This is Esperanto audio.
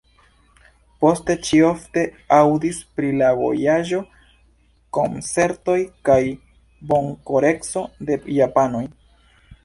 Poste ŝi ofte aŭdis pri la vojaĝo, koncertoj kaj bonkoreco de japanoj.